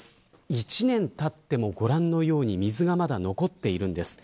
１年たっても、ご覧のように水がまだ残っているんです。